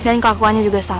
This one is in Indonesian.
dan kelakuannya juga sama